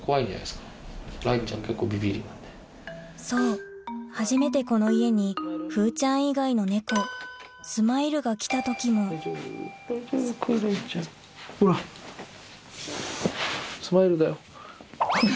そう初めてこの家に風ちゃん以外の猫スマイルが来た時も大丈夫か？